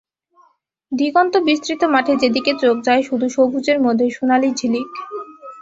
দিগন্ত বিস্তৃত মাঠে যেদিকে চোখ যায়, শুধু সবুজের মধ্যে সোনালি ঝিলিক।